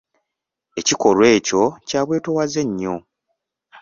Ekikolwa ekyo kya bwetoowaze nnyo.